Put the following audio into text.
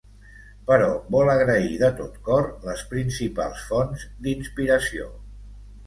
Però vol agrair de tot cor les principals fonts d'inspiració